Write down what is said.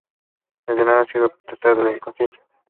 De nada le sirve protestar de su inocencia.